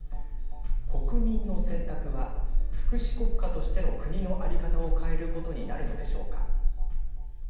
国民の選択は福祉国家としての国の在り方を変えることになるのでしょうか。